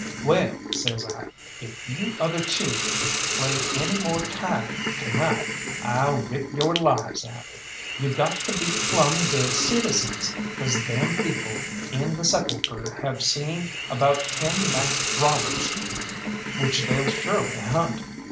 "Well," says I, "if you other two play any more tiger to night, I'll rip your lives out. You got to be plumb good citizens, 'cause them people in the 'Sepulchre' have seen about ten masked robbers, which they'll surely hunt.